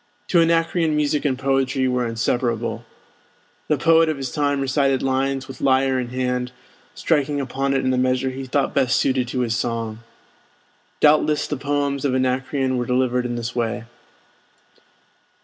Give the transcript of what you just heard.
To Anacreon music and poetry were inseparable. The poet of his time recited his lines with lyre in hand, striking upon it in the measure he thought best suited to his song. Doubtless the poems of Anacreon were delivered in this way.